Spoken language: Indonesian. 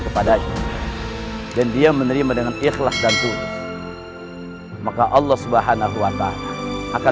kepada dan dia menerima dengan ikhlas dan tulus maka allah subhanahu wa ta'ala akan